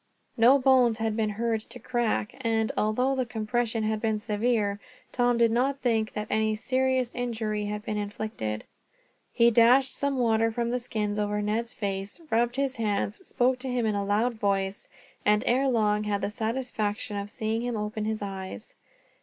No bones had been heard to crack and, although the compression had been severe, Tom did not think that any serious injury had been inflicted. He dashed some water from the skins over Ned's face, rubbed his hands, spoke to him in a loud voice, and ere long had the satisfaction of seeing him open his eyes.